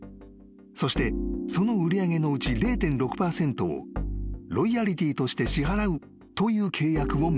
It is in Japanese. ［そしてその売り上げのうち０．６％をロイヤルティーとして支払うという契約を結んだ］